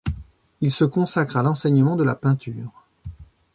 Il se consacre à l'enseignement de la peinture.